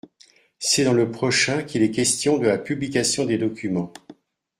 C’est dans le prochain qu’il est question de la publication des documents.